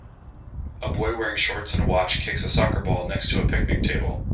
A boy wearing shorts and a watch kicks a soccer ball next to a picnic table.